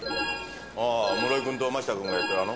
ああ室井君と真下君がやってるあの？」